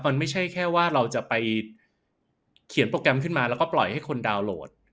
มันไม่ใช่แค่ว่าเราจะไปเขียนโปรแกรมขึ้นมาแล้วก็ปล่อยให้คนดาวนโหลด